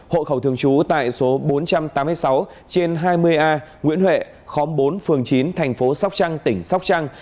hộ khẩu thường trú tại số bốn trăm tám mươi sáu trên hai mươi a nguyễn huệ khóm bốn phường chín thành phố sóc trăng tỉnh sóc trăng